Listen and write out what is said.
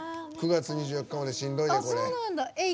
９月２４日まで、しんどいよ。